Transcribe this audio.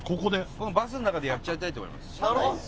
このバスの中でやっちゃいたいと思います。